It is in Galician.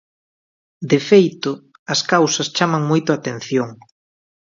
De feito, as causas chaman moito a atención.